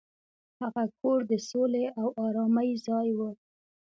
هغه کور د سولې او ارامۍ ځای و.